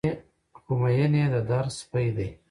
خو مين يې د در سپى دى